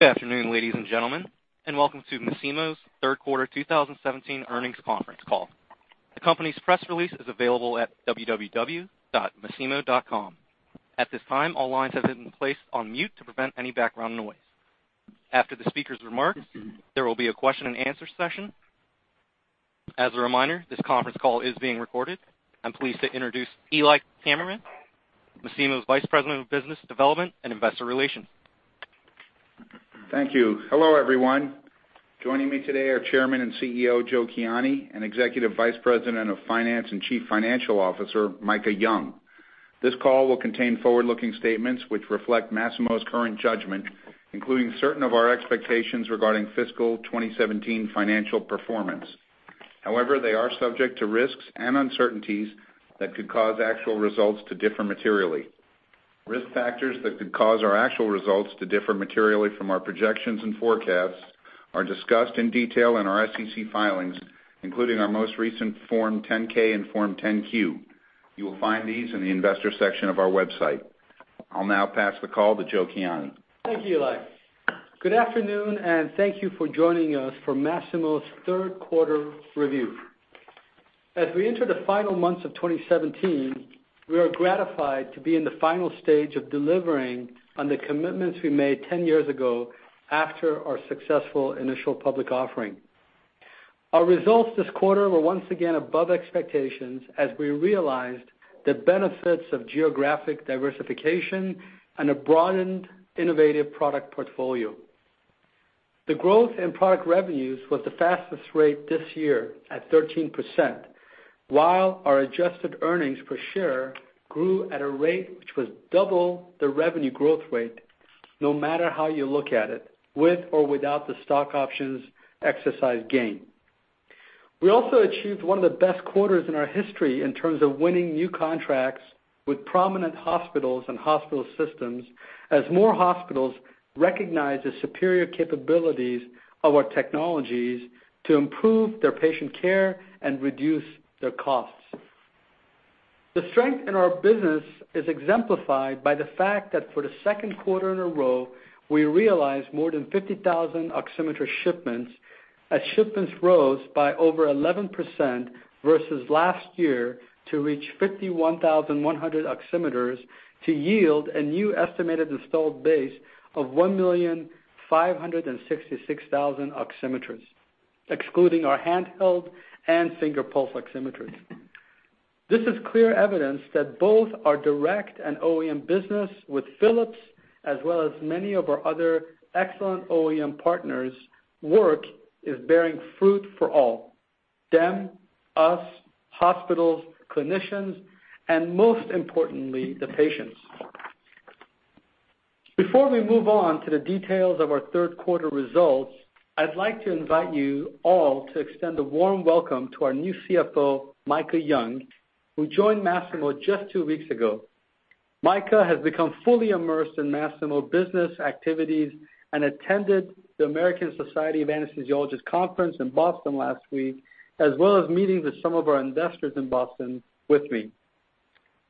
Good afternoon, ladies and gentlemen, welcome to Masimo's third quarter 2017 earnings conference call. The company's press release is available at www.masimo.com. At this time, all lines have been placed on mute to prevent any background noise. After the speakers' remarks, there will be a question and answer session. As a reminder, this conference call is being recorded. I'm pleased to introduce Eli Kammerman, Masimo's Vice President of Business Development and Investor Relations. Thank you. Hello, everyone. Joining me today are Chairman and CEO, Joe Kiani, Executive Vice President of Finance and Chief Financial Officer, Micah Young. This call will contain forward-looking statements which reflect Masimo's current judgment, including certain of our expectations regarding fiscal 2017 financial performance. However, they are subject to risks and uncertainties that could cause actual results to differ materially. Risk factors that could cause our actual results to differ materially from our projections and forecasts are discussed in detail in our SEC filings, including our most recent Form 10-K and Form 10-Q. You will find these in the investor section of our website. I'll now pass the call to Joe Kiani. Thank you, Eli. Good afternoon, thank you for joining us for Masimo's third quarter review. As we enter the final months of 2017, we are gratified to be in the final stage of delivering on the commitments we made 10 years ago after our successful initial public offering. Our results this quarter were once again above expectations as we realized the benefits of geographic diversification and a broadened innovative product portfolio. The growth in product revenues was the fastest rate this year at 13%, while our adjusted earnings per share grew at a rate which was double the revenue growth rate, no matter how you look at it, with or without the stock options exercise gain. We also achieved one of the best quarters in our history in terms of winning new contracts with prominent hospitals and hospital systems as more hospitals recognize the superior capabilities of our technologies to improve their patient care and reduce their costs. The strength in our business is exemplified by the fact that for the second quarter in a row, we realized more than 50,000 oximeter shipments as shipments rose by over 11% versus last year to reach 51,100 oximeters to yield a new estimated installed base of 1,566,000 oximeters, excluding our handheld and finger pulse oximetry. This is clear evidence that both our direct and OEM business with Philips as well as many of our other excellent OEM partners work is bearing fruit for all, them, us, hospitals, clinicians, most importantly, the patients. Before we move on to the details of our third quarter results, I'd like to invite you all to extend a warm welcome to our new CFO, Micah Young, who joined Masimo just two weeks ago. Micah has become fully immersed in Masimo business activities and attended the American Society of Anesthesiologists conference in Boston last week, as well as meetings with some of our investors in Boston with me.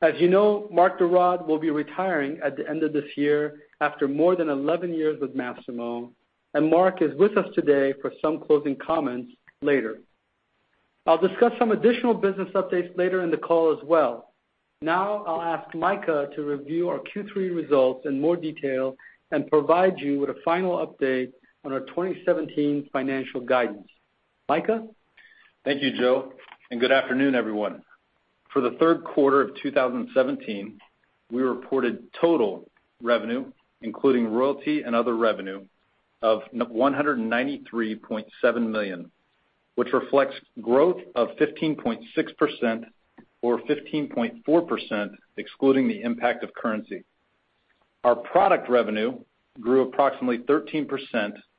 As you know, Mark de Raad will be retiring at the end of this year after more than 11 years with Masimo, Mark is with us today for some closing comments later. I'll discuss some additional business updates later in the call as well. I'll ask Micah to review our Q3 results in more detail and provide you with a final update on our 2017 financial guidance. Micah? Thank you, Joe, Good afternoon, everyone. For the third quarter of 2017, we reported total revenue, including royalty and other revenue, of $193.7 million, which reflects growth of 15.6% or 15.4% excluding the impact of currency. Our product revenue grew approximately 13%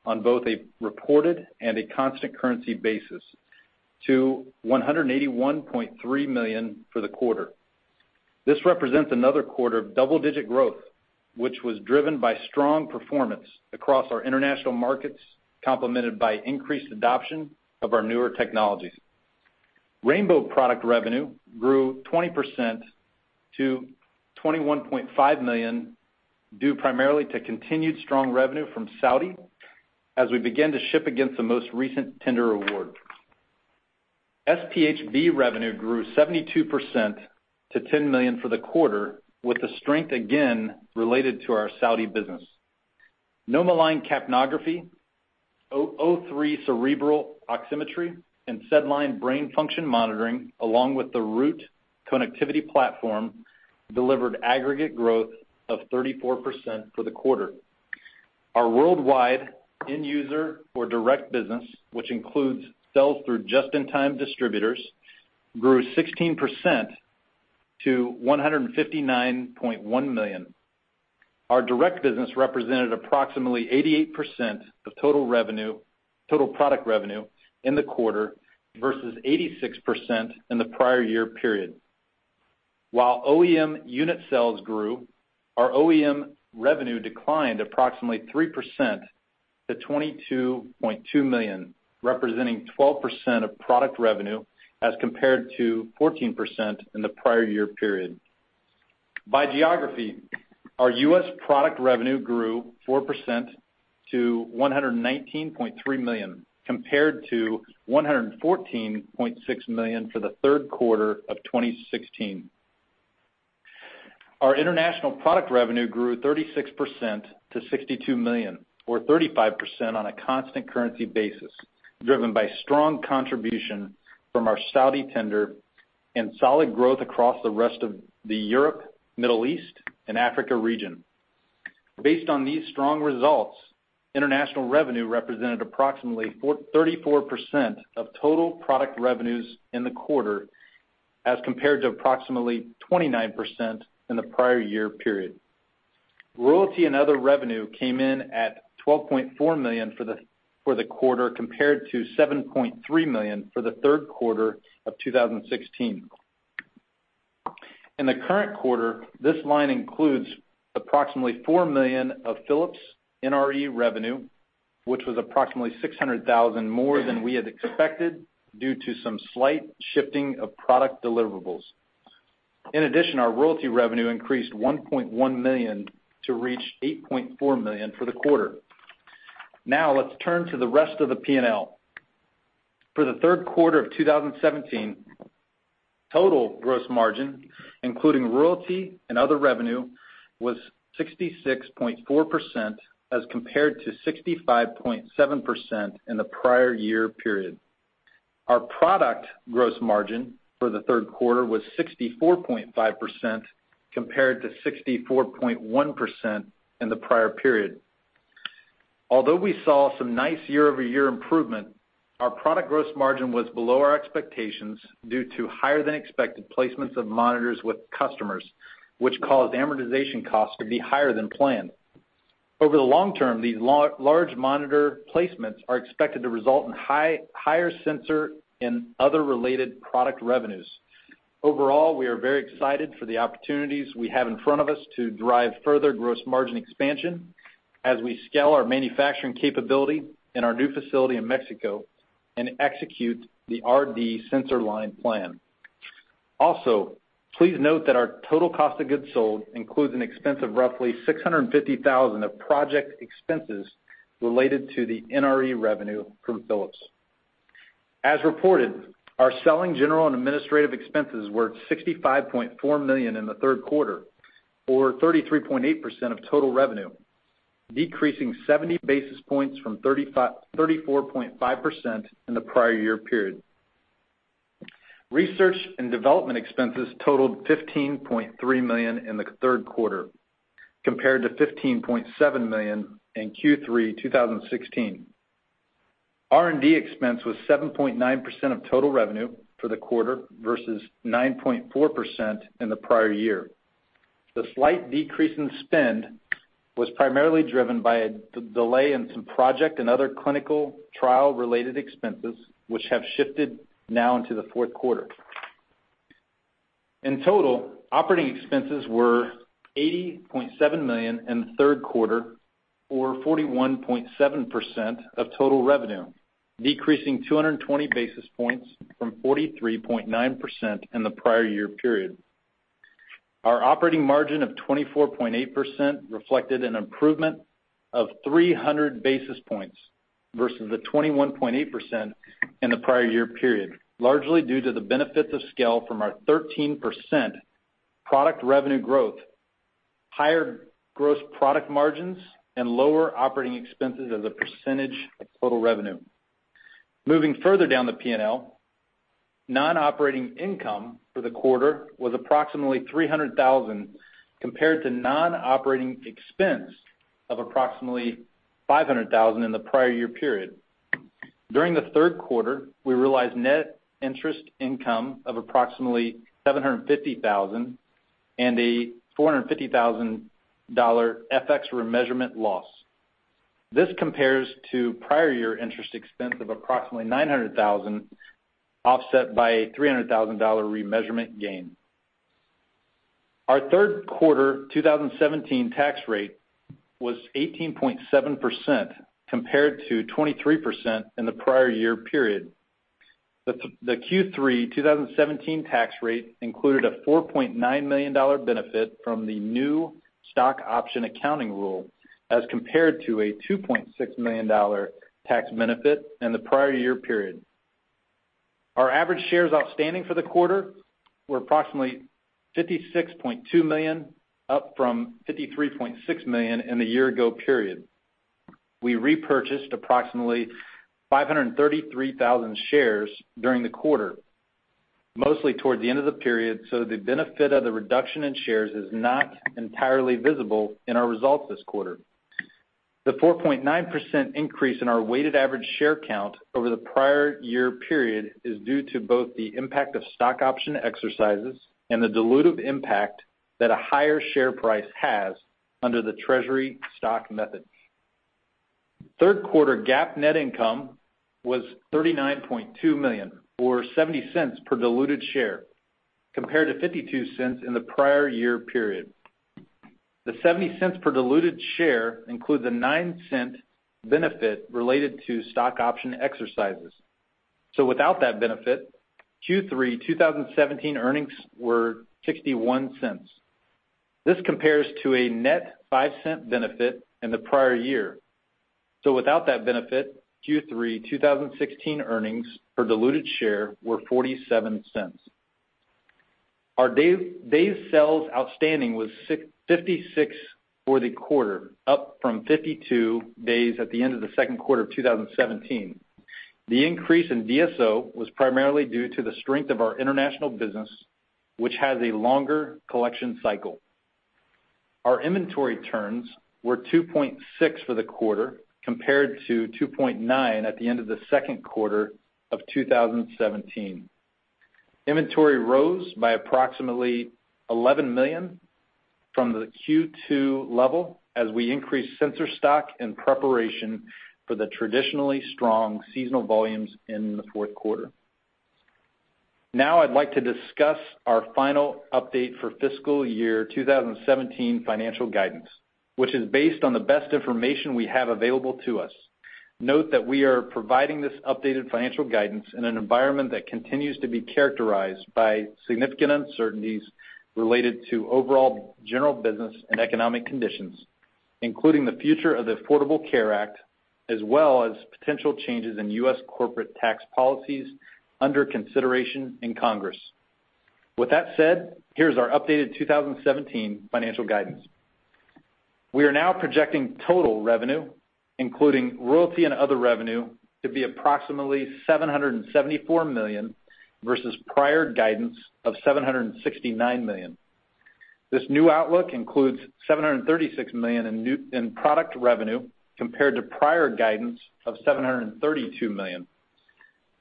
on both a reported and a constant currency basis to $181.3 million for the quarter. This represents another quarter of double-digit growth, which was driven by strong performance across our international markets, complemented by increased adoption of our newer technologies. Rainbow product revenue grew 20% to $21.5 million due primarily to continued strong revenue from Saudi as we began to ship against the most recent tender award. SpHb revenue grew 72% to $10 million for the quarter with the strength again related to our Saudi business. NomoLine capnography, O3 cerebral oximetry, and SedLine brain function monitoring, along with the Root connectivity platform, delivered aggregate growth of 34% for the quarter. Our worldwide end user or direct business, which includes sales through just-in-time distributors, grew 16% to $159.1 million. Our direct business represented approximately 88% of total product revenue in the quarter versus 86% in the prior year period. While OEM unit sales grew, our OEM revenue declined approximately 3% to $22.2 million, representing 12% of product revenue as compared to 14% in the prior year period. By geography, our U.S. product revenue grew 4% to $119.3 million, compared to $114.6 million for the third quarter of 2016. Our international product revenue grew 36% to $62 million, or 35% on a constant currency basis, driven by strong contribution from our Saudi tender and solid growth across the rest of the Europe, Middle East, and Africa region. Based on these strong results, international revenue represented approximately 34% of total product revenues in the quarter as compared to approximately 29% in the prior year period. Royalty and other revenue came in at $12.4 million for the quarter compared to $7.3 million for the third quarter of 2016. In the current quarter, this line includes approximately $4 million of Philips NRE revenue, which was approximately $600,000 more than we had expected due to some slight shifting of product deliverables. Our royalty revenue increased $1.1 million to reach $8.4 million for the quarter. Let's turn to the rest of the P&L. For the third quarter of 2017, total gross margin, including royalty and other revenue, was 66.4% as compared to 65.7% in the prior year period. Our product gross margin for the third quarter was 64.5% compared to 64.1% in the prior period. Although we saw some nice year-over-year improvement, our product gross margin was below our expectations due to higher-than-expected placements of monitors with customers, which caused amortization costs to be higher than planned. Over the long term, these large monitor placements are expected to result in higher sensor and other related product revenues. Overall, we are very excited for the opportunities we have in front of us to drive further gross margin expansion as we scale our manufacturing capability in our new facility in Mexico and execute the RD sensor line plan. Also, please note that our total cost of goods sold includes an expense of roughly $650,000 of project expenses related to the NRE revenue from Philips. As reported, our selling general and administrative expenses were at $65.4 million in the third quarter or 33.8% of total revenue, decreasing 70 basis points from 34.5% in the prior year period. Research and development expenses totaled $15.3 million in the third quarter, compared to $15.7 million in Q3 2016. R&D expense was 7.9% of total revenue for the quarter versus 9.4% in the prior year. The slight decrease in spend was primarily driven by a delay in some project and other clinical trial-related expenses, which have shifted now into the fourth quarter. In total, operating expenses were $80.7 million in the third quarter, or 41.7% of total revenue, decreasing 220 basis points from 43.9% in the prior year period. Our operating margin of 24.8% reflected an improvement of 300 basis points versus the 21.8% in the prior year period, largely due to the benefits of scale from our 13% product revenue growth, higher gross product margins, and lower operating expenses as a percentage of total revenue. Moving further down the P&L, non-operating income for the quarter was approximately $300,000 compared to non-operating expense of approximately $500,000 in the prior year period. During the third quarter, we realized net interest income of approximately $750,000 and a $450,000 FX remeasurement loss. This compares to prior year interest expense of approximately $900,000, offset by a $300,000 remeasurement gain. Our third quarter 2017 tax rate was 18.7% compared to 23% in the prior year period. The Q3 2017 tax rate included a $4.9 million benefit from the new stock option accounting rule as compared to a $2.6 million tax benefit in the prior year period. Our average shares outstanding for the quarter were approximately 56.2 million, up from 53.6 million in the year ago period. We repurchased approximately 533,000 shares during the quarter, mostly toward the end of the period, the benefit of the reduction in shares is not entirely visible in our results this quarter. The 4.9% increase in our weighted average share count over the prior year period is due to both the impact of stock option exercises and the dilutive impact that a higher share price has under the treasury stock method. Third quarter GAAP net income was $39.2 million, or $0.70 per diluted share, compared to $0.52 in the prior year period. The $0.70 per diluted share includes a $0.09 benefit related to stock option exercises. Without that benefit, Q3 2017 earnings were $0.61. This compares to a net $0.05 benefit in the prior year. Without that benefit, Q3 2016 earnings per diluted share were $0.47. Our days sales outstanding was 56 for the quarter, up from 52 days at the end of the second quarter of 2017. The increase in DSO was primarily due to the strength of our international business, which has a longer collection cycle. Our inventory turns were 2.6 for the quarter, compared to 2.9 at the end of the second quarter of 2017. Inventory rose by approximately $11 million from the Q2 level as we increased sensor stock in preparation for the traditionally strong seasonal volumes in the fourth quarter. Now I'd like to discuss our final update for fiscal year 2017 financial guidance, which is based on the best information we have available to us. Note that we are providing this updated financial guidance in an environment that continues to be characterized by significant uncertainties related to overall general business and economic conditions, including the future of the Affordable Care Act, as well as potential changes in U.S. corporate tax policies under consideration in Congress. With that said, here's our updated 2017 financial guidance. We are now projecting total revenue, including royalty and other revenue, to be approximately $774 million, versus prior guidance of $769 million. This new outlook includes $736 million in product revenue compared to prior guidance of $732 million.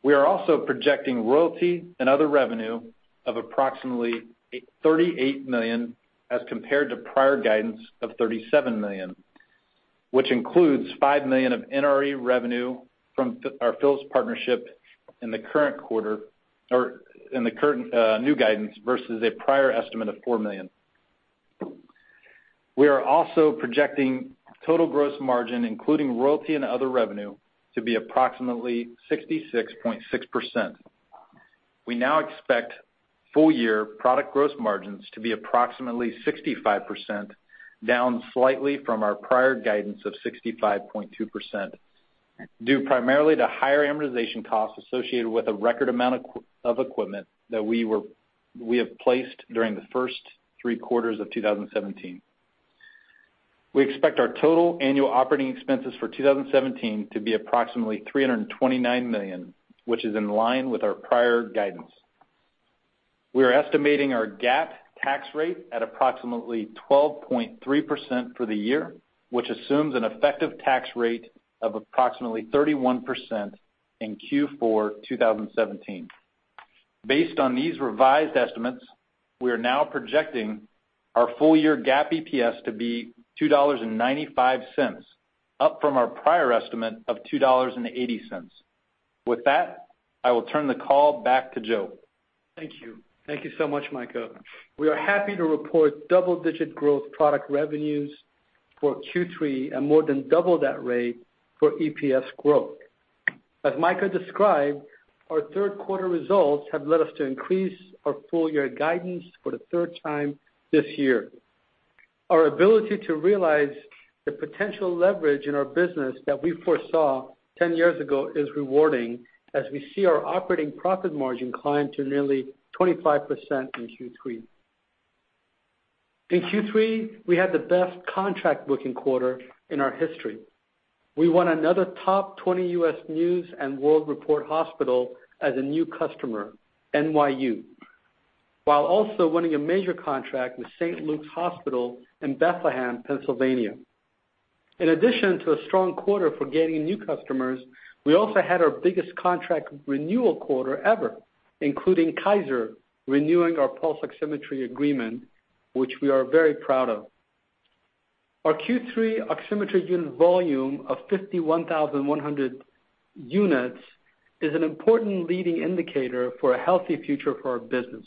We are also projecting royalty and other revenue of approximately $38 million as compared to prior guidance of $37 million, which includes $5 million of NRE revenue from our Philips partnership in the current quarter or in the current new guidance, versus a prior estimate of $4 million. We are also projecting total gross margin, including royalty and other revenue, to be approximately 66.6%. We now expect full year product gross margins to be approximately 65%, down slightly from our prior guidance of 65.2%, due primarily to higher amortization costs associated with a record amount of equipment that we have placed during the first three quarters of 2017. We expect our total annual operating expenses for 2017 to be approximately $329 million, which is in line with our prior guidance. We are estimating our GAAP tax rate at approximately 12.3% for the year, which assumes an effective tax rate of approximately 31% in Q4 2017. Based on these revised estimates, we are now projecting our full year GAAP EPS to be $2.95, up from our prior estimate of $2.80. With that, I will turn the call back to Joe. Thank you. Thank you so much, Micah. We are happy to report double-digit growth product revenues for Q3 and more than double that rate for EPS growth. As Micah described, our third quarter results have led us to increase our full year guidance for the third time this year. Our ability to realize the potential leverage in our business that we foresaw 10 years ago is rewarding as we see our operating profit margin climb to nearly 25% in Q3. In Q3, we had the best contract booking quarter in our history. We won another top 20 U.S. News & World Report hospital as a new customer, NYU, while also winning a major contract with St. Luke's Hospital in Bethlehem, Pennsylvania. In addition to a strong quarter for gaining new customers, we also had our biggest contract renewal quarter ever, including Kaiser renewing our pulse oximetry agreement, which we are very proud of. Our Q3 oximetry unit volume of 51,100 units is an important leading indicator for a healthy future for our business.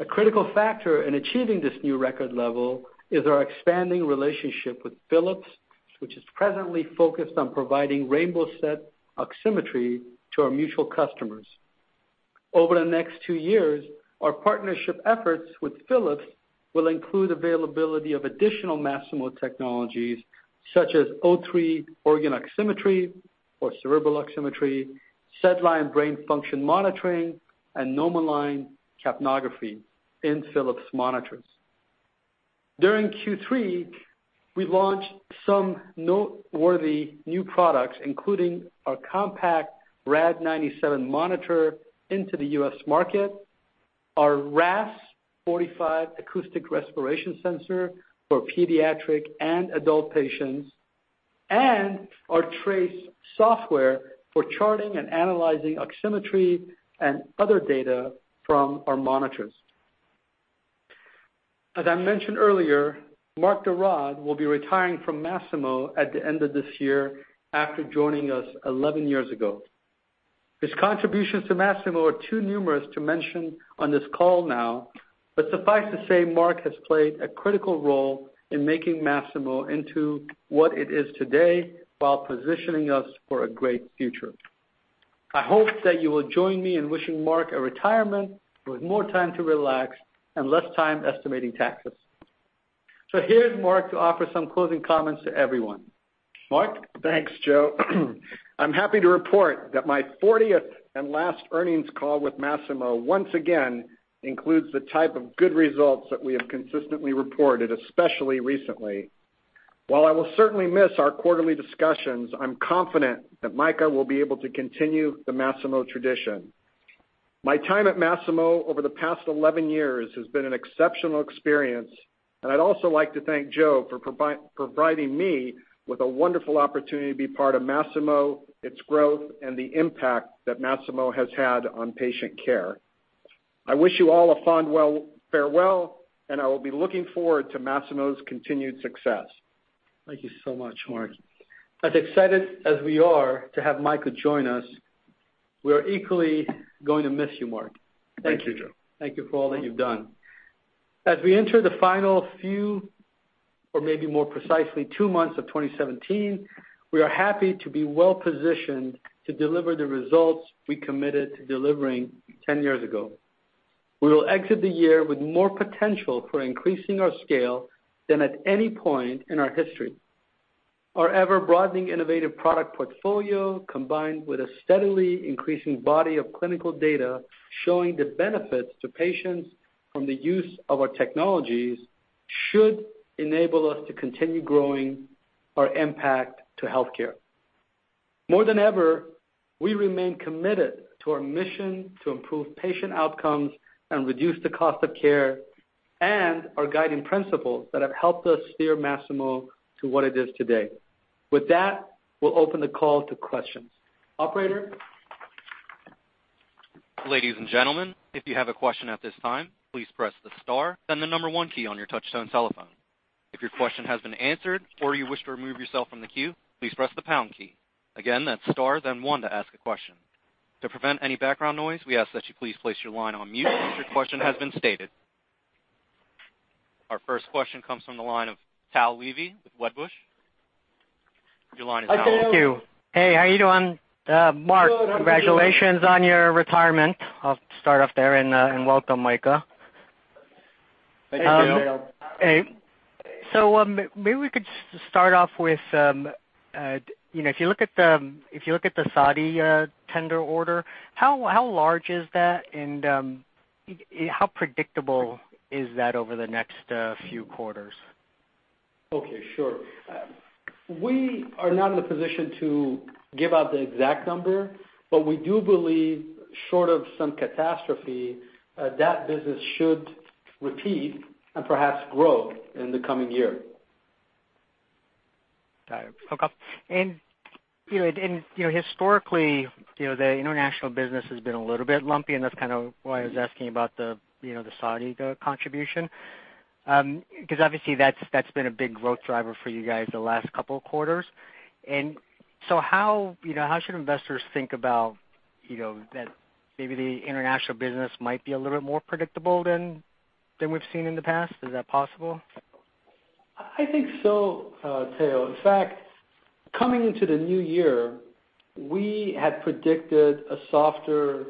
A critical factor in achieving this new record level is our expanding relationship with Philips, which is presently focused on providing rainbow SET Oximetry to our mutual customers. Over the next two years, our partnership efforts with Philips will include availability of additional Masimo technologies, such as O3 organ oximetry or cerebral oximetry, SedLine brain function monitoring, and noninvasive capnography in Philips monitors. During Q3, we launched some noteworthy new products, including our compact Rad-97 monitor into the U.S. market, our RAS-45 acoustic respiration sensor for pediatric and adult patients, and our Trace software for charting and analyzing oximetry and other data from our monitors. As I mentioned earlier, Mark de Raad will be retiring from Masimo at the end of this year after joining us 11 years ago. His contributions to Masimo are too numerous to mention on this call now. Suffice to say, Mark has played a critical role in making Masimo into what it is today, while positioning us for a great future. I hope that you will join me in wishing Mark a retirement with more time to relax and less time estimating taxes. Here's Mark to offer some closing comments to everyone. Mark? Thanks, Joe. I'm happy to report that my 40th and last earnings call with Masimo once again includes the type of good results that we have consistently reported, especially recently. While I will certainly miss our quarterly discussions, I'm confident that Micah will be able to continue the Masimo tradition. My time at Masimo over the past 11 years has been an exceptional experience, and I'd also like to thank Joe for providing me with a wonderful opportunity to be part of Masimo, its growth, and the impact that Masimo has had on patient care. I wish you all a fond farewell, and I will be looking forward to Masimo's continued success. Thank you so much, Mark. As excited as we are to have Micah join us, we are equally going to miss you, Mark. Thank you, Joe. Thank you for all that you've done. As we enter the final few, or maybe more precisely, 2 months of 2017, we are happy to be well-positioned to deliver the results we committed to delivering 10 years ago. We will exit the year with more potential for increasing our scale than at any point in our history. Our ever-broadening innovative product portfolio, combined with a steadily increasing body of clinical data showing the benefits to patients from the use of our technologies, should enable us to continue growing our impact to healthcare. More than ever, we remain committed to our mission to improve patient outcomes and reduce the cost of care, and our guiding principles that have helped us steer Masimo to what it is today. With that, we'll open the call to questions. Operator? Ladies and gentlemen, if you have a question at this time, please press the star, then the number 1 key on your touchtone telephone. If your question has been answered, or you wish to remove yourself from the queue, please press the pound key. Again, that's star then 1 to ask a question. To prevent any background noise, we ask that you please place your line on mute once your question has been stated. Our first question comes from the line of Tao Levy with Wedbush. Your line is now open. Hi, Tao. Thank you. Hey, how you doing? Mark- Good. How are you doing? Congratulations on your retirement. I'll start off there, and welcome, Micah. Thank you, Tao. Thank you. maybe we could start off with, if you look at the Saudi tender order, how large is that, and how predictable is that over the next few quarters? Sure. We are not in a position to give out the exact number, we do believe, short of some catastrophe, that business should repeat and perhaps grow in the coming year. Got it. Historically, the international business has been a little bit lumpy, that's kind of why I was asking about the Saudi contribution, because obviously that's been a big growth driver for you guys the last couple of quarters. How should investors think about that maybe the international business might be a little bit more predictable than we've seen in the past? Is that possible? I think so, Tao. In fact, coming into the new year, we had predicted a softer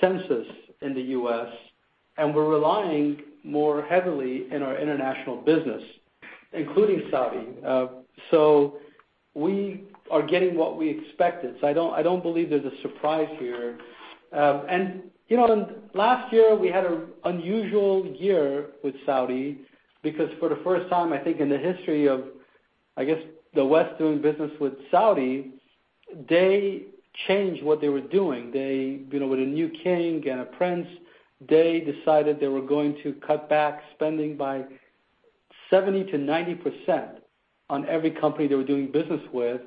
census in the U.S., and we're relying more heavily in our international business, including Saudi. We are getting what we expected, so I don't believe there's a surprise here. Last year, we had an unusual year with Saudi, because for the first time, I think in the history of the West doing business with Saudi, they changed what they were doing. With a new king and a prince, they decided they were going to cut back spending by 70%-90% on every company they were doing business with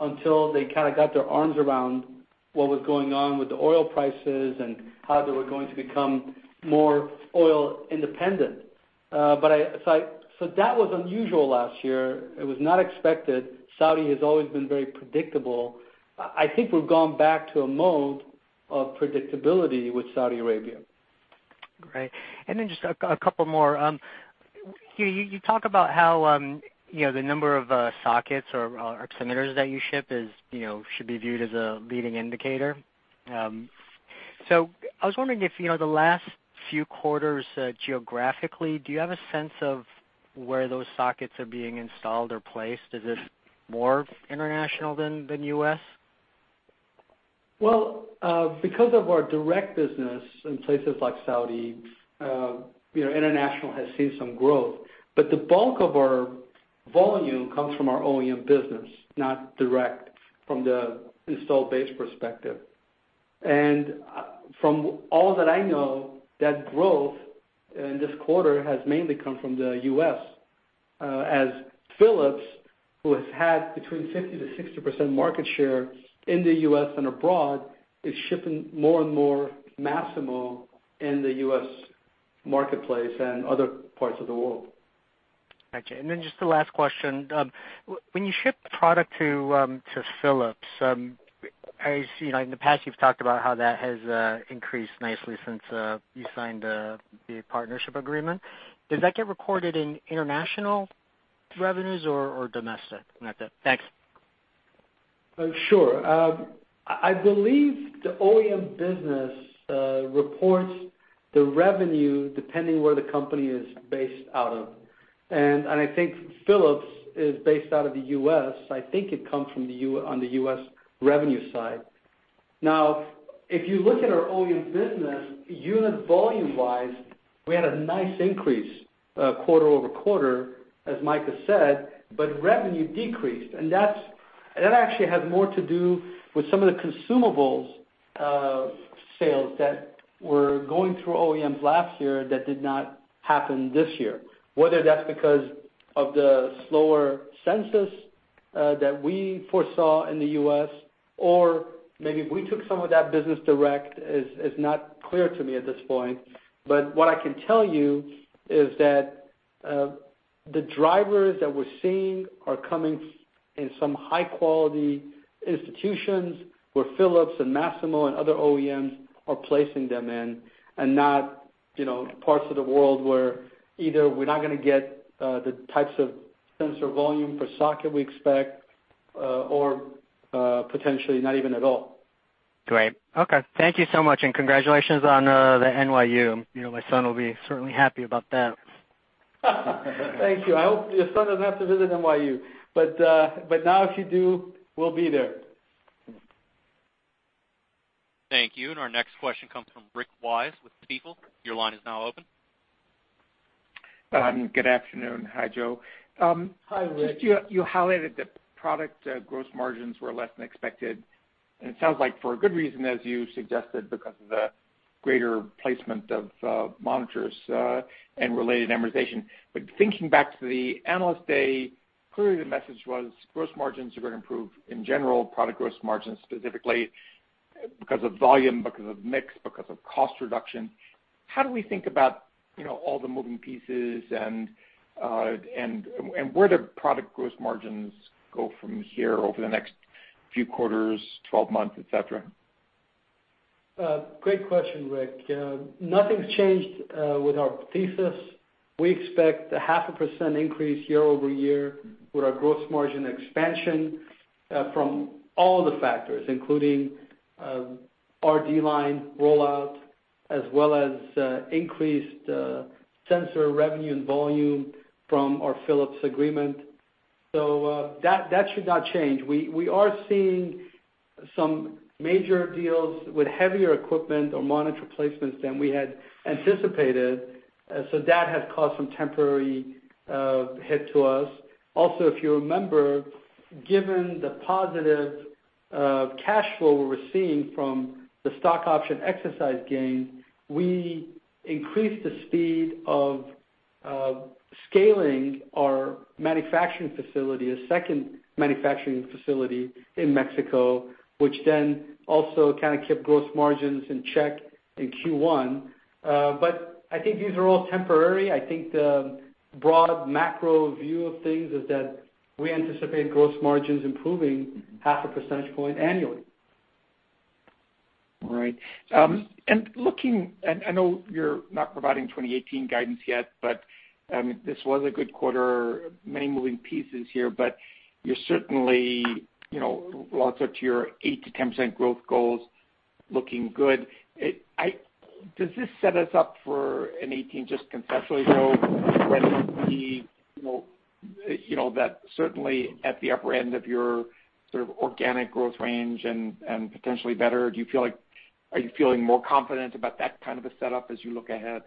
until they kind of got their arms around what was going on with the oil prices and how they were going to become more oil independent. That was unusual last year. It was not expected. Saudi has always been very predictable. I think we've gone back to a mode of predictability with Saudi Arabia. Great. Then just a couple more. You talk about how the number of sockets or oximeters that you ship should be viewed as a leading indicator. I was wondering if the last few quarters geographically, do you have a sense of where those sockets are being installed or placed? Is this more international than U.S.? Well, because of our direct business in places like Saudi, international has seen some growth. The bulk of our volume comes from our OEM business, not direct from the install base perspective. From all that I know, that growth in this quarter has mainly come from the U.S., as Philips, who has had between 50%-60% market share in the U.S. and abroad, is shipping more and more Masimo in the U.S. marketplace and other parts of the world. Got you. Just the last question. When you ship product to Philips, in the past you've talked about how that has increased nicely since you signed the partnership agreement. Does that get recorded in international revenues or domestic, Micah? Thanks. Sure. I believe the OEM business reports the revenue depending where the company is based out of. I think Philips is based out of the U.S., I think it comes on the U.S. revenue side. If you look at our OEM business, unit volume-wise, we had a nice increase quarter-over-quarter, as Micah said, revenue decreased. That actually has more to do with some of the consumables sales that were going through OEMs last year that did not happen this year. Whether that's because of the slower census that we foresaw in the U.S. or maybe if we took some of that business direct is not clear to me at this point. What I can tell you is that the drivers that we're seeing are coming in some high-quality institutions where Philips and Masimo and other OEMs are placing them in, not parts of the world where either we're not going to get the types of sensor volume per socket we expect or potentially not even at all. Great. Okay. Thank you so much, congratulations on the NYU. My son will be certainly happy about that. Thank you. I hope your son doesn't have to visit NYU. Now if you do, we'll be there. Thank you. Our next question comes from Rick Wise with Stifel. Your line is now open. Good afternoon. Hi, Joe. Hi, Rick. You highlighted that product gross margins were less than expected, and it sounds like for a good reason, as you suggested, because of the greater placement of monitors and related amortization. Thinking back to the Analyst Day, clearly the message was gross margins are going to improve in general, product gross margins specifically because of volume, because of mix, because of cost reduction. How do we think about all the moving pieces and where do product gross margins go from here over the next few quarters, 12 months, et cetera? Great question, Rick. Nothing's changed with our thesis. We expect a half a percent increase year-over-year with our gross margin expansion from all the factors, including our RD line rollout, as well as increased sensor revenue and volume from our Philips agreement. That should not change. That has caused some temporary hit to us. If you remember, given the positive cash flow we're receiving from the stock option exercise gain, we increased the speed of scaling our manufacturing facility, a second manufacturing facility in Mexico, which then also kind of kept gross margins in check in Q1. I think these are all temporary. I think the broad macro view of things is that we anticipate gross margins improving half a percentage point annually. All right. I know you're not providing 2018 guidance yet, this was a good quarter, many moving pieces here, you're certainly well to your 8%-10% growth goals, looking good. Does this set us up for a 2018 just conceptually grow that certainly at the upper end of your sort of organic growth range and potentially better? Are you feeling more confident about that kind of a setup as you look ahead?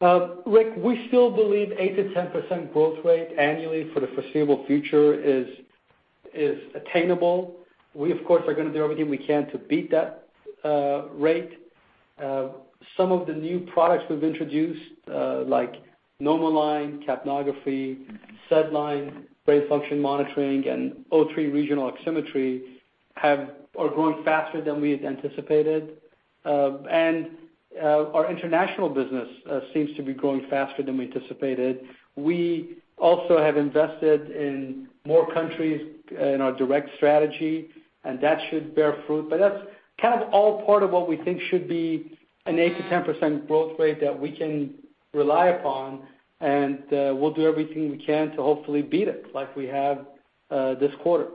Rick, we still believe 8%-10% growth rate annually for the foreseeable future is attainable. We of course, are going to do everything we can to beat that rate. Some of the new products we've introduced, like NomoLine, capnography, SedLine, brain function monitoring, and O3 regional oximetry, are growing faster than we had anticipated. Our international business seems to be growing faster than we anticipated. We also have invested in more countries in our direct strategy, that should bear fruit, that's kind of all part of what we think should be an 8%-10% growth rate that we can rely upon, we'll do everything we can to hopefully beat it, like we have this quarter.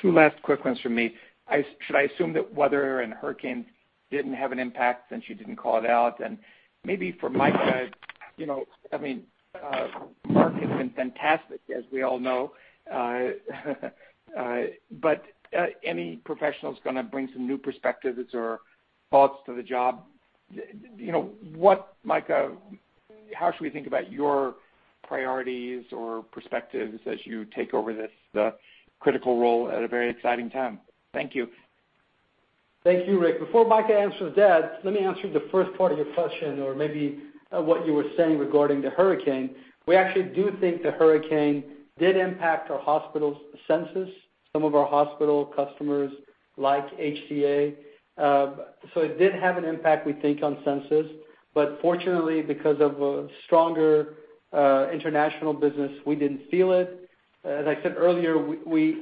Two last quick ones from me. Should I assume that weather and hurricanes didn't have an impact since you didn't call it out? Maybe for Micah, Mark has been fantastic, as we all know but any professional's going to bring some new perspectives or thoughts to the job. Micah, how should we think about your priorities or perspectives as you take over this critical role at a very exciting time? Thank you. Thank you, Rick. Before Micah answers that, let me answer the first part of your question or maybe what you were saying regarding the hurricane. We actually do think the hurricane did impact our hospital's census, some of our hospital customers like HCA. It did have an impact, we think, on census. Fortunately, because of our international business, we didn't feel it. As I said earlier,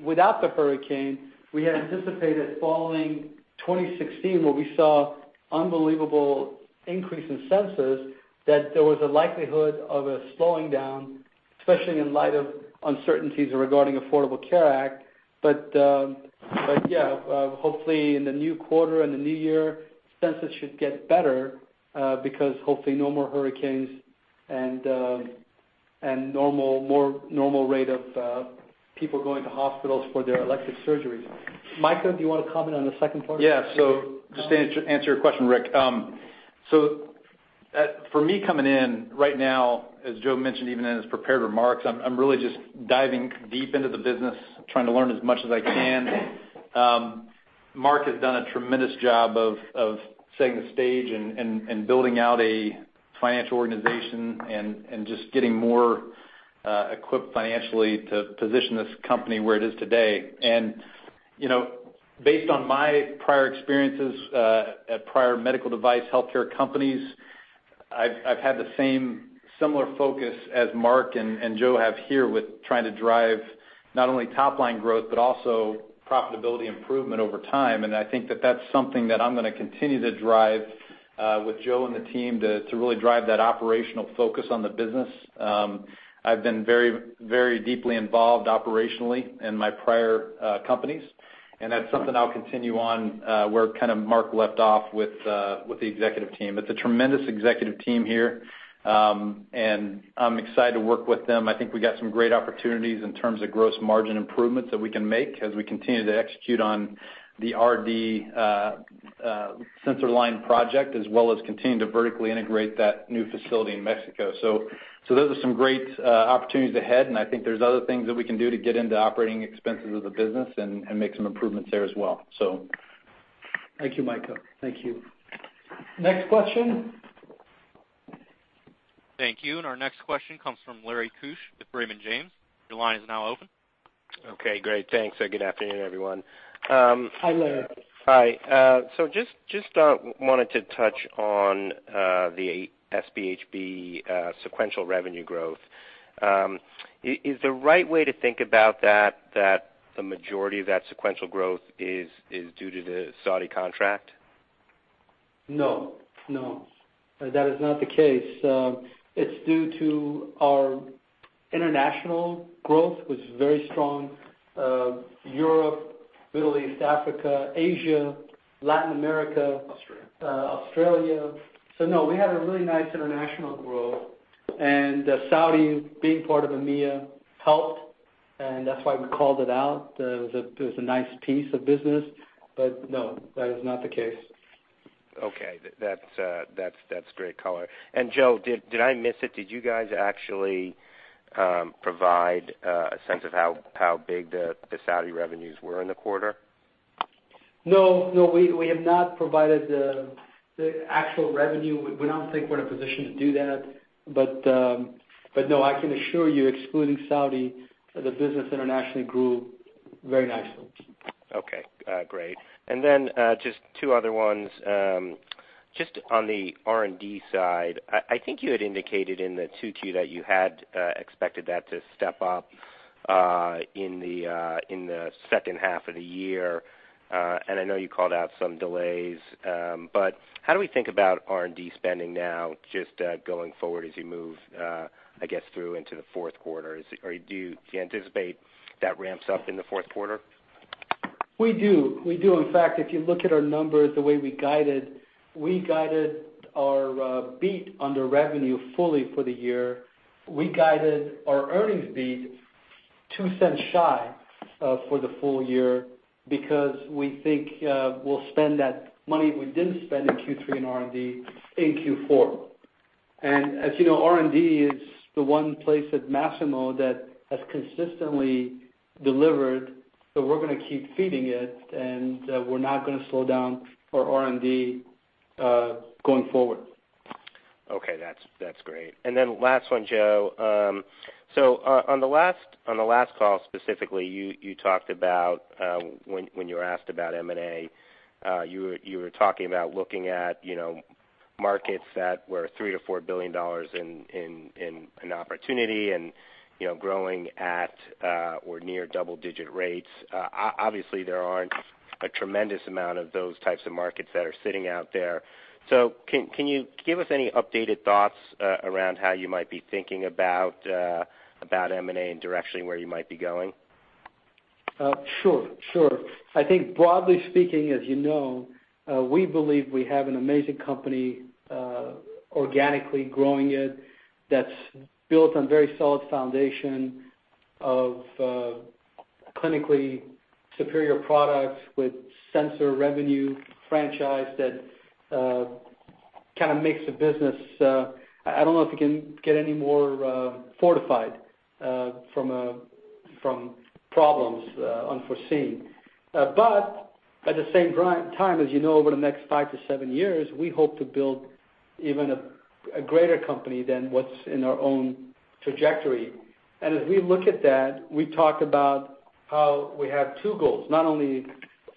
without the hurricane, we had anticipated following 2016, where we saw unbelievable increase in sensors, that there was a likelihood of a slowing down, especially in light of uncertainties regarding Affordable Care Act. Yeah, hopefully in the new quarter and the new year, sensors should get better because hopefully no more hurricanes and more normal rate of people going to hospitals for their elective surgeries. Micah, do you want to comment on the second part? Yeah. Just to answer your question, Rick. For me coming in right now, as Joe mentioned even in his prepared remarks, I'm really just diving deep into the business, trying to learn as much as I can. Mark has done a tremendous job of setting the stage and building out a financial organization and just getting more equipped financially to position this company where it is today. Based on my prior experiences at prior medical device healthcare companies, I've had the same similar focus as Mark and Joe have here with trying to drive not only top-line growth but also profitability improvement over time. I think that that's something that I'm going to continue to drive with Joe and the team to really drive that operational focus on the business. I've been very deeply involved operationally in my prior companies, and that's something I'll continue on where kind of Mark left off with the executive team. It's a tremendous executive team here, and I'm excited to work with them. I think we got some great opportunities in terms of gross margin improvements that we can make as we continue to execute on the RD sensor line project, as well as continuing to vertically integrate that new facility in Mexico. Those are some great opportunities ahead, and I think there's other things that we can do to get into operating expenses of the business and make some improvements there as well. Thank you, Micah. Thank you. Next question. Thank you. Our next question comes from Larry Klesser with Raymond James. Your line is now open. Okay, great. Thanks, and good afternoon, everyone. Hi, Larry. Hi. Just wanted to touch on the SpHb sequential revenue growth. Is the right way to think about that the majority of that sequential growth is due to the Saudi contract? No. That is not the case. It's due to our international growth was very strong. Europe, Middle East, Africa, Asia, Latin America. Australia Australia. No, we had a really nice international growth, and Saudi, being part of EMEA, helped, and that's why we called it out. It was a nice piece of business. No, that is not the case. Okay. That's great color. Joe, did I miss it? Did you guys actually provide a sense of how big the Saudi revenues were in the quarter? No, we have not provided the actual revenue. We don't think we're in a position to do that. No, I can assure you, excluding Saudi, the business internationally grew very nicely. Okay, great. Then just two other ones. Just on the R&D side, I think you had indicated in the 2Q that you had expected that to step up in the second half of the year. I know you called out some delays. How do we think about R&D spending now just going forward as you move, I guess, through into the fourth quarter? Do you anticipate that ramps up in the fourth quarter? We do. In fact, if you look at our numbers, the way we guided, we guided our beat under revenue fully for the year. We guided our earnings beat $0.02 shy for the full year because we think we'll spend that money we didn't spend in Q3 in R&D in Q4. As you know, R&D is the one place at Masimo that has consistently delivered, so we're going to keep feeding it, and we're not going to slow down for R&D going forward. Okay, that's great. Then last one, Joe. On the last call specifically, you talked about when you were asked about M&A, you were talking about looking at markets that were $3 billion-$4 billion in opportunity and growing at or near double-digit rates. Obviously, there aren't a tremendous amount of those types of markets that are sitting out there. Can you give us any updated thoughts around how you might be thinking about M&A and directionally where you might be going? Sure. I think broadly speaking, as you know, we believe we have an amazing company, organically growing it, that's built on very solid foundation of clinically superior products with sensor revenue franchise that kind of makes a business I don't know if it can get any more fortified from problems unforeseen. At the same time, as you know, over the next five to seven years, we hope to build even a greater company than what's in our own trajectory. As we look at that, we talk about how we have two goals, not only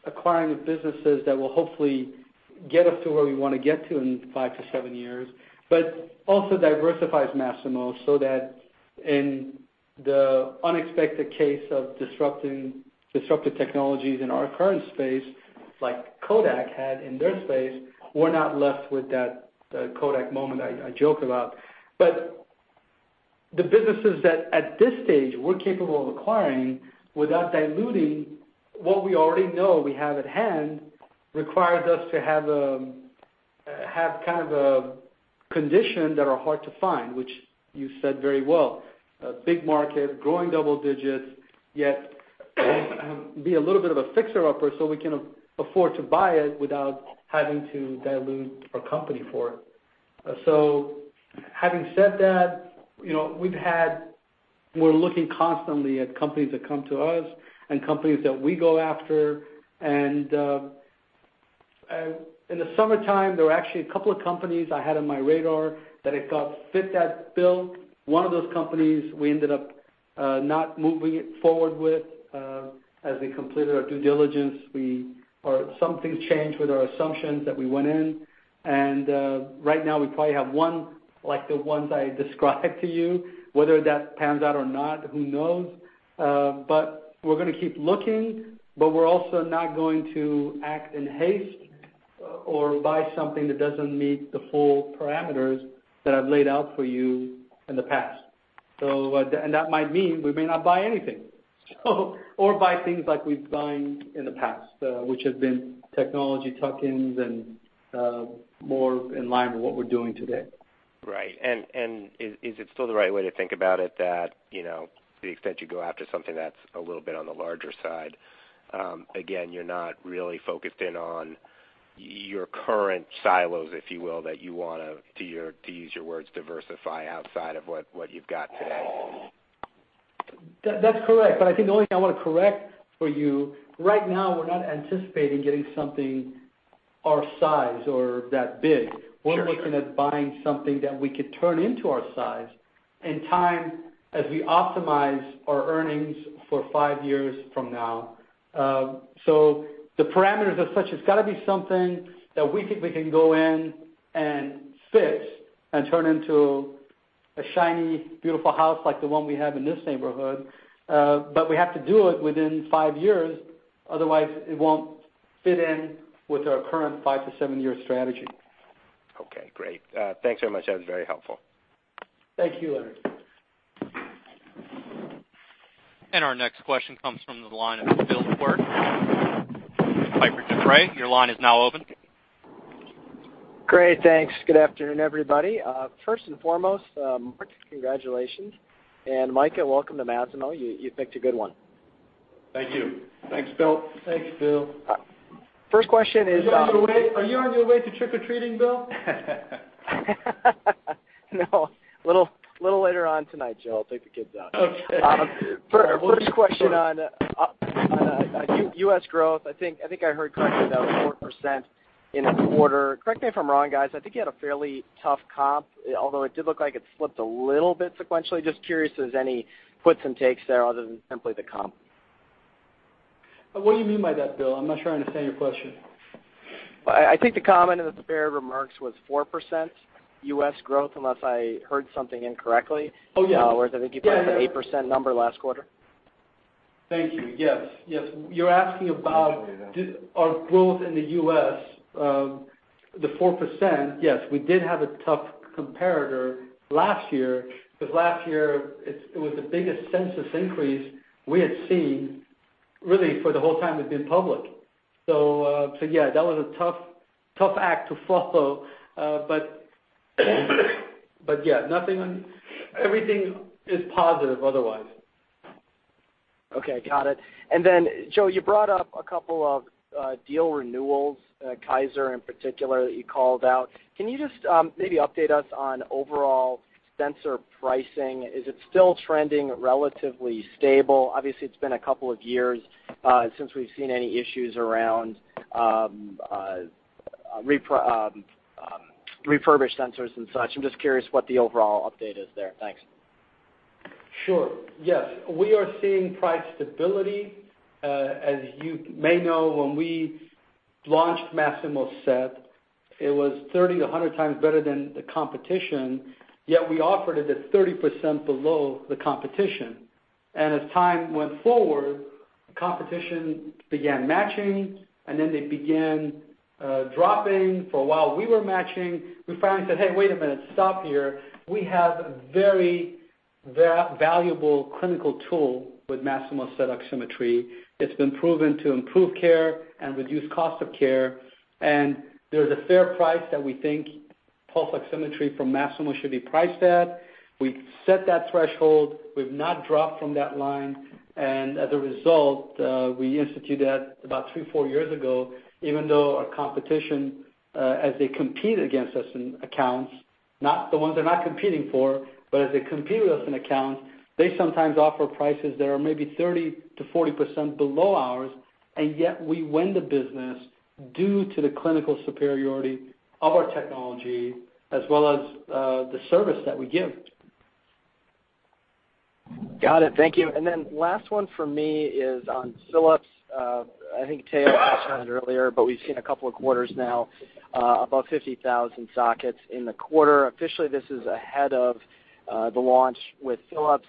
acquiring of businesses that will hopefully get us to where we want to get to in five to seven years, but also diversifies Masimo so that in the unexpected case of disruptive technologies in our current space, like Kodak had in their space, we're not left with that Kodak moment I joke about. The businesses that at this stage we're capable of acquiring without diluting what we already know we have at hand, requires us to have a condition that are hard to find, which you said very well. A big market, growing double digits, yet be a little bit of a fixer-upper so we can afford to buy it without having to dilute our company for it. Having said that, we're looking constantly at companies that come to us and companies that we go after. In the summertime, there were actually a couple of companies I had on my radar that I thought fit that bill. One of those companies, we ended up not moving it forward with. As we completed our due diligence, some things changed with our assumptions that we went in. Right now we probably have one like the ones I described to you. Whether that pans out or not, who knows? We're going to keep looking, but we're also not going to act in haste or buy something that doesn't meet the full parameters that I've laid out for you in the past. That might mean we may not buy anything. Or buy things like we've buying in the past, which have been technology tuck-ins and more in line with what we're doing today. Right. Is it still the right way to think about it that, the extent you go after something that's a little bit on the larger side, again, you're not really focused in on your current silos, if you will, that you want to use your words, diversify outside of what you've got today? That's correct. I think the only thing I want to correct for you, right now, we're not anticipating getting something our size or that big. Sure. We're looking at buying something that we could turn into our size in time as we optimize our earnings for five years from now. The parameters are such, it's got to be something that we think we can go in and fix and turn into a shiny, beautiful house like the one we have in this neighborhood. We have to do it within five years, otherwise it won't fit in with our current five to seven-year strategy. Okay, great. Thanks very much. That was very helpful. Thank you, Larry. Our next question comes from the line of Bill Quirk. Piper Jaffray, your line is now open. Great. Thanks. Good afternoon, everybody. First and foremost, congratulations. Micah, welcome to Masimo, you picked a good one. Thank you. Thanks, Bill. Thanks, Bill. First question is. Are you on your way to trick or treating, Bill? No. Little later on tonight, Joe, I'll take the kids out. Okay. First question on U.S. growth. I think I heard correctly that was 4% in the quarter. Correct me if I'm wrong, guys, I think you had a fairly tough comp, although it did look like it slipped a little bit sequentially. Just curious, there's any puts and takes there other than simply the comp. What do you mean by that, Bill? I'm not sure I understand your question. I think the comment in the prepared remarks was 4% U.S. growth, unless I heard something incorrectly. Oh, yeah. I think you guys had an 8% number last quarter. Thank you. Yes. You're asking about our growth in the U.S., the 4%. Yes, we did have a tough comparator last year, because last year it was the biggest census increase we've seen really for the whole time we've been public. Yeah, that was a tough act to follow. Yeah, everything is positive otherwise. Okay. Got it. Joe, you brought up a couple of deal renewals, Kaiser in particular that you called out. Can you just maybe update us on overall sensor pricing? Is it still trending relatively stable? Obviously, it's been a couple of years since we've seen any issues around refurbished sensors and such. I'm just curious what the overall update is there. Thanks. Sure. Yes, we are seeing price stability. As you may know, when we launched Masimo SET, it was 30-100 times better than the competition, yet we offered it at 30% below the competition. As time went forward, competition began matching, and then they began dropping. For a while, we were matching. We finally said, "Hey, wait a minute. Stop here." We have a very valuable clinical tool with Masimo SET oximetry. It's been proven to improve care and reduce cost of care. There's a fair price that we think pulse oximetry from Masimo should be priced at. We set that threshold. We've not dropped from that line, and as a result, we instituted that about 3-4 years ago, even though our competition, as they compete against us in accounts, the ones they're not competing for, but as they compete with us in accounts, they sometimes offer prices that are maybe 30%-40% below ours, and yet we win the business due to the clinical superiority of our technology as well as the service that we give. Got it. Thank you. Last one for me is on Philips. I think Tao asked about it earlier, but we've seen a couple of quarters now, above 50,000 sockets in the quarter. Officially, this is ahead of the launch with Philips.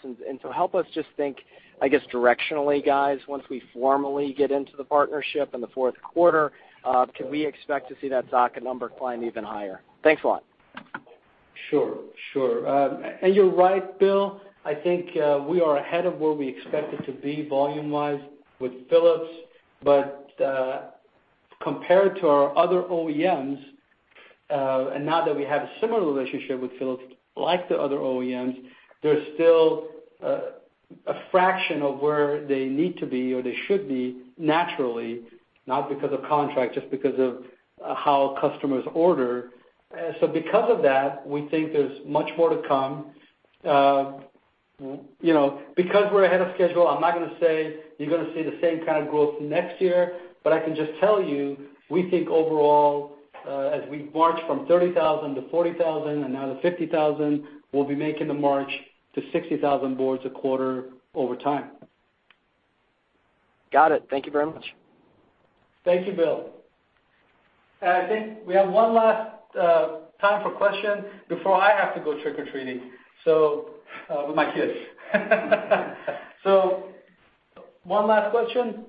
Help us just think, I guess, directionally, guys, once we formally get into the partnership in the fourth quarter, can we expect to see that socket number climb even higher? Thanks a lot. Sure. You're right, Bill, I think we are ahead of where we expected to be volume-wise with Philips. Compared to our other OEMs, and now that we have a similar relationship with Philips like the other OEMs, they're still a fraction of where they need to be or they should be naturally, not because of contract, just because of how customers order. Because of that, we think there's much more to come. Because we're ahead of schedule, I'm not going to say you're going to see the same kind of growth next year, but I can just tell you, we think overall, as we march from 30,000 to 40,000 and now to 50,000, we'll be making the march to 60,000 boards a quarter over time. Got it. Thank you very much. Thank you, Bill. I think we have one last time for question before I have to go trick or treating with my kids. One last question.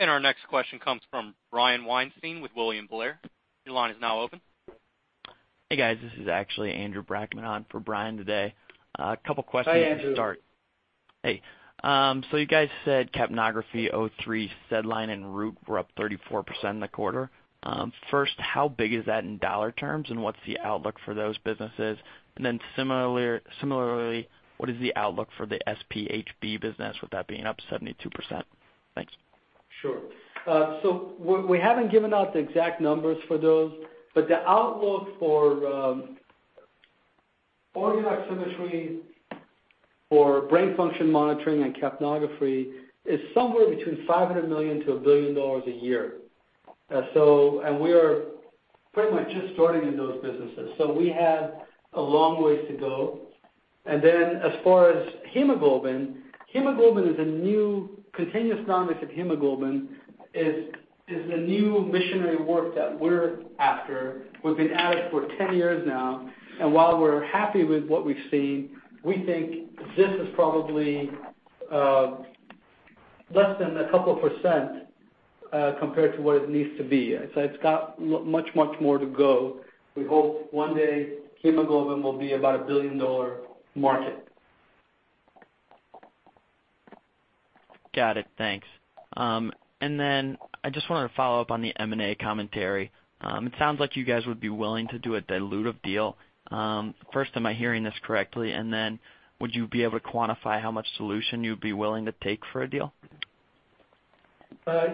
Our next question comes from Brian Weinstein with William Blair. Your line is now open. Hey, guys, this is actually Andrew Brackmann on for Brian today. A couple questions to start. Hi, Andrew. Hey. You guys said capnography, O3, SedLine, and Root were up 34% in the quarter. First, how big is that in dollar terms, and what's the outlook for those businesses? Then similarly, what is the outlook for the SpHb business, with that being up 72%? Thanks. We haven't given out the exact numbers for those, but the outlook for [ Regional Oximetry] for brain function monitoring and capnography is somewhere between $500 million to $1 billion a year. We are pretty much just starting in those businesses, we have a long way to go. As far as hemoglobin, continuous noninvasive hemoglobin is the new missionary work that we're after. We've been at it for 10 years now, and while we're happy with what we've seen, we think this is probably less than a couple % compared to what it needs to be. It's got much more to go. We hope one day hemoglobin will be about a billion-dollar market. Got it. Thanks. I just wanted to follow up on the M&A commentary. It sounds like you guys would be willing to do a dilutive deal. First, am I hearing this correctly? Would you be able to quantify how much dilution you'd be willing to take for a deal?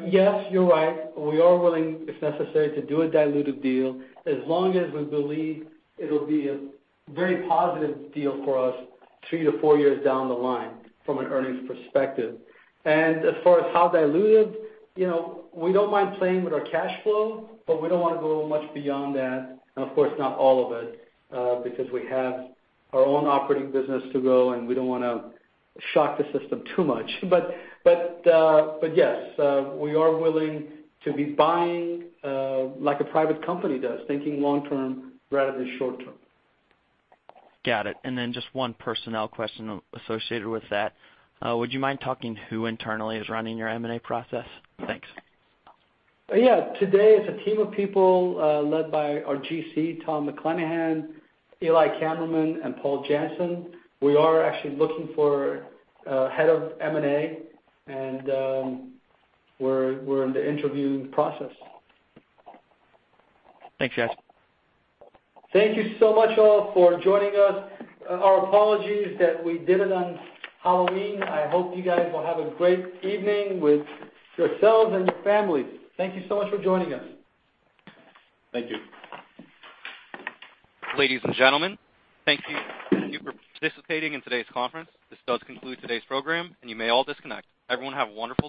Yes, you're right. We are willing, if necessary, to do a dilutive deal as long as we believe it'll be a very positive deal for us three to four years down the line from an earnings perspective. As far as how dilutive, we don't mind playing with our cash flow, we don't want to go much beyond that. Of course not all of it, because we have our own operating business to grow, we don't want to shock the system too much. Yes, we are willing to be buying like a private company does, thinking long-term rather than short-term. Got it. Just one personnel question associated with that. Would you mind talking who internally is running your M&A process? Thanks. Yeah. Today it's a team of people led by our GC, Tom McClenahan, Eli Kammerman, and Paul Jansen. We are actually looking for a head of M&A. We're in the interviewing process. Thanks, guys. Thank you so much, all, for joining us. Our apologies that we did it on Halloween. I hope you guys will have a great evening with yourselves and your families. Thank you so much for joining us. Thank you. Ladies and gentlemen, thank you for participating in today's conference. This does conclude today's program, and you may all disconnect. Everyone have a wonderful day.